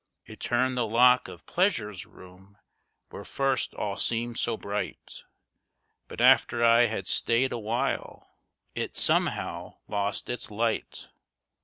It turned the lock of Pleasure's room, where first all seemed so bright— But after I had stayed awhile it somehow lost its light.